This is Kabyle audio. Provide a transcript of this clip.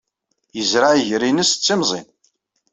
Yezreɛ iger-nnes d timẓin.